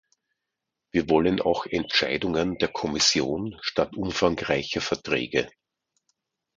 Wir wollen auch Entscheidungen der Kommission statt umfangreicher Verträge.